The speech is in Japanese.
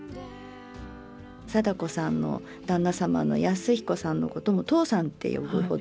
貞子さんの旦那様の恭彦さんのことも「父さん」って呼ぶほど。